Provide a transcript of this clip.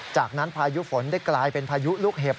จากนั้นพายุฝนได้กลายเป็นพายุลูกเห็บ